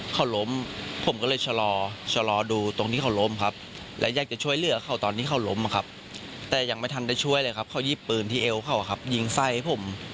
เขาล้มผมก็เลยชะลอชะลอดูตรงที่เขาล้มครับและอยากจะช่วยเหลือเขาตอนที่เขาล้มครับแต่ยังไม่ทันได้ช่วยเลยครับเขาหยิบปืนที่เอวเขาครับยิงใส่ผม